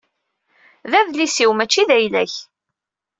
D adlis-iw, mačči d ayla-k.